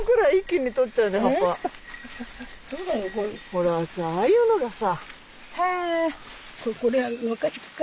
ほらさああいうのがさ。